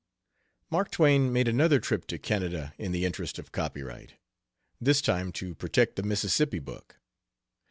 Mark Twain made another trip to Canada in the interest of copyright this time to protect the Mississippi book.